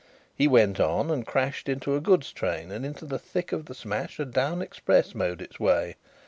He went on and crashed into a goods train and into the thick of the smash a down express mowed its way.